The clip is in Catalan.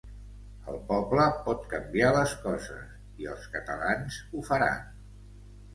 El poble pot canviar les coses i els catalans ho faran.